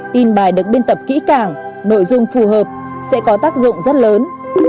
tin bài được biên tập kỹ càng nội dung phù hợp sẽ có tác dụng rất lớn